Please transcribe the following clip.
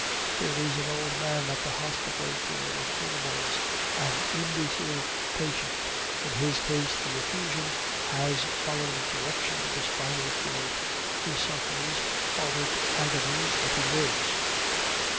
There is an old man at the Hospital for Incurables, an imbecile patient, in his case the effusion has followed the direction of the spinal cord; he suffers horrid agonies, but he lives."